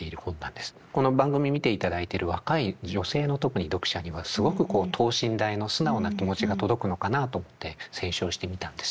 この番組見ていただいている若い女性の特に読者にはすごくこう等身大の素直な気持ちが届くのかなあと思って選書をしてみたんですね。